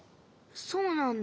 そうなんだ。